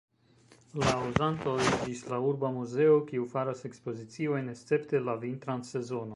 La uzanto iĝis la urba muzeo, kiu faras ekspoziciojn escepte la vintran sezonon.